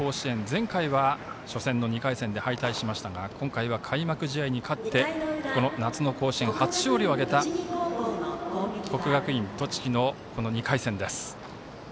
前回は初戦の２回戦で敗退しましたが今回は開幕試合に勝って夏の甲子園、初勝利を挙げた国学院栃木の２回戦です。